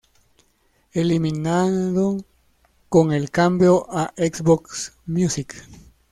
Eliminado con el cambio a Xbox Music.